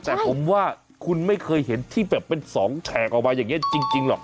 แต่ผมว่าคุณไม่เคยเห็นที่แบบเป็น๒แฉกออกมาอย่างนี้จริงหรอก